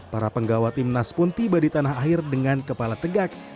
para penggawa timnas pun tiba di tanah air dengan kepala tegak